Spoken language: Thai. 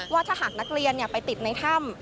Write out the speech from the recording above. ว่าถ้าหากนักเรียนไปติดในถ้ำ